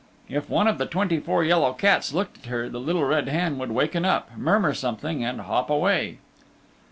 If one of the twenty four yellow cats looked at her the Little Red Hen would waken up, murmur something, and hop away.